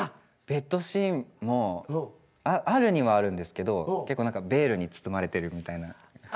ベッドシーンもあるにはあるんですけど結構何かベールに包まれてるみたいな。